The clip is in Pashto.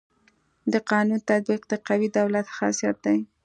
د قانون تطبیق د قوي دولت خاصيت دی.